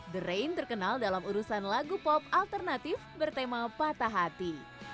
the rain terkenal dalam urusan lagu pop alternatif bertema patah hati